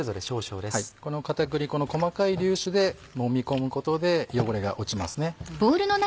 この片栗粉の細かい粒子でもみ込むことで汚れが落ちますね。